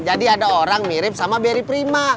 jadi ada orang mirip sama beri prima